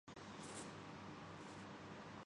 نیا کام کرنے والےافراد ذہنی دباؤ کا شکار